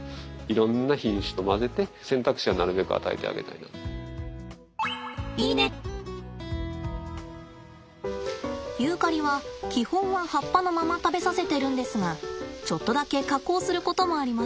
野生の動物ですからユーカリは基本は葉っぱのまま食べさせてるんですがちょっとだけ加工することもあります。